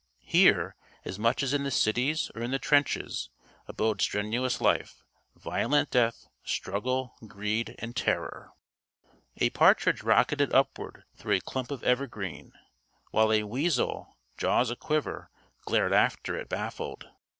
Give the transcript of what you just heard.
Here, as much as in the cities or in the trenches, abode strenuous life, violent death, struggle, greed and terror. A partridge rocketed upward through a clump of evergreen, while a weasel, jaws a quiver, glared after it, baffled.